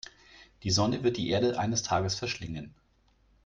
Die Sonne wird die Erde eines Tages verschlingen.